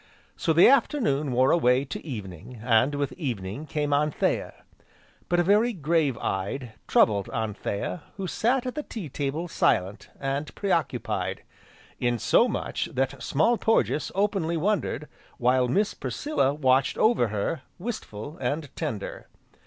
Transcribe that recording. So the afternoon wore away to evening, and with evening, came Anthea; but a very grave eyed, troubled Anthea, who sat at the tea table silent, and preoccupied, in so much, that Small Porges openly wondered, while Miss Priscilla watched over her, wistful, and tender.